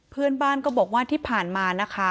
เพื่อนบ้านก็บอกว่าที่ผ่านมานะคะ